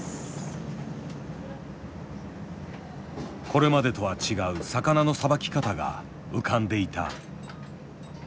これまでとは違う魚のさばき方が浮かんでいた。